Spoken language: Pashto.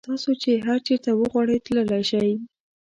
تاسو چې هر چېرته وغواړئ تللی شئ.